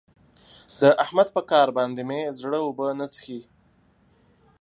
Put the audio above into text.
د احمد په کار باندې مې زړه اوبه نه څښي.